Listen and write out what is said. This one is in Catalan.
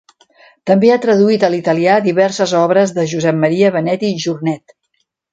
També ha traduït a l'italià diverses obres de Josep Maria Benet i Jornet.